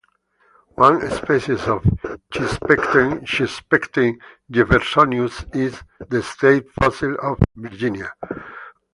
One species of "Chesapecten", "Chesapecten jeffersonius", is the state fossil of Virginia.